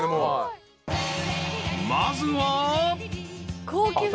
［まずは］